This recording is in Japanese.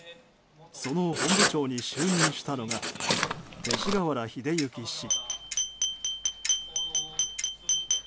その本部長に就任したのが勅使河原秀行氏。